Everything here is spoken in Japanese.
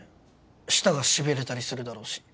舌がしびれたりするだろうし。